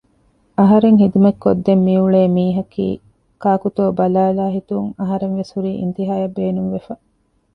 އަހަރެން ހިދުމަތް ކޮށްދެން މިއުޅޭ މީހަކީ ކާކުތޯ ބަލާލާހިތުން އަހަރެންވެސް ހުރީ އިންތިހާޔަށް ބޭނުންވެފަ